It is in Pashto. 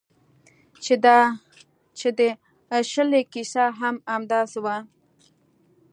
چې د اشلي کیسه هم همداسې وه